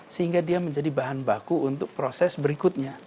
sehingga dia menjadi bahan baku untuk proses berikutnya